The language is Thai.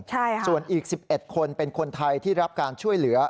ใช่ค่ะส่วนอีก๑๑คนเป็นคนไทยที่รับการช่วยเหลือ